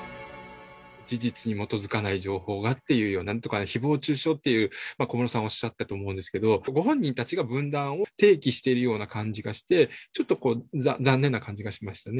事実に基づかない情報、ひぼう中傷って小室さんおっしゃったと思うんですけど、ご本人たちが分断を提起しているような感じがして、ちょっと残念な感じがしましたね。